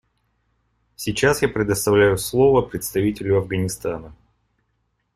Сейчас я предоставляю слово представителю Афганистана.